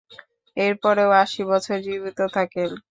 এর পরেও আশি বছর জীবিত থাকেন।